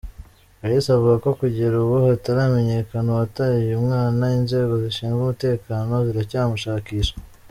Kalisa avuga ko kugera ubu hataramenyekana uwataye uyu mwana, inzego zishinzwe umutekano ziracyamushakisha.